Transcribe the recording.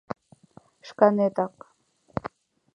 Шканетак!